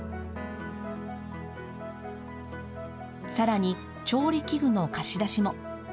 さらに、調理器具の貸し出しも。